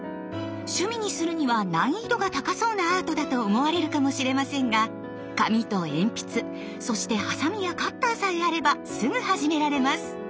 趣味にするには難易度が高そうなアートだと思われるかもしれませんが紙と鉛筆そしてハサミやカッターさえあればすぐ始められます！